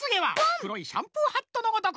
黒いシャンプーハットのごとく！